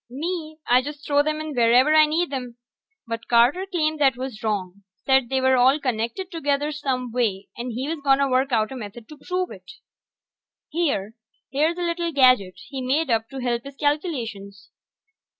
Me, I just throw 'em in wherever I need 'em. But Carter claimed that was wrong. Said they were all connected together some way, and he was gonna work out a method to prove it. Here ... here's a little gadget he made up to help his calculations.